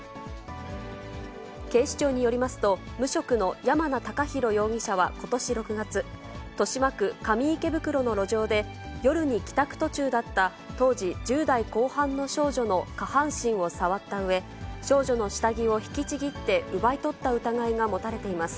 警視庁によりますと、無職の山名孝弘容疑者はことし６月、豊島区上池袋の路上で夜に帰宅途中だった、当時１０代後半の少女の下半身を触ったうえ、少女の下着を引きちぎって奪い取った疑いが持たれています。